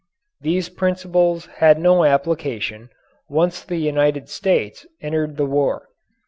These principles had no application, once the United States entered the war.